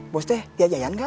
bos deh dia yayan gak